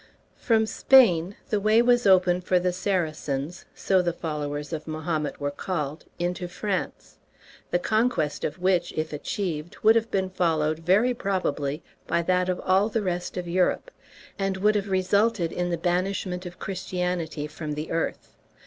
From Spain the way was open for the Saracens (so the followers of Mahomet were called) into France, the conquest of which, if achieved, would have been followed very probably by that of all the rest of Europe, and would have resulted in the banishment of Christianity from the earth.